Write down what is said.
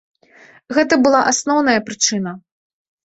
Гэта была асноўная прычына.